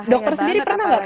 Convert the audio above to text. dokter sendiri pernah gak kayak